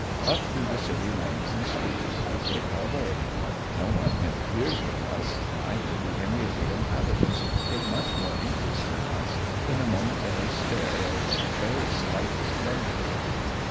Up through the city lanes and streets we take our way ; no one interferes with us, neither do any of the inhabitants take much more interest in us than a momentary stare of very slightest wonderment.